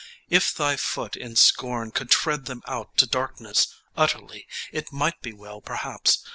If thy foot in scorn Could tread them out to darkness utterly, It might be well perhaps.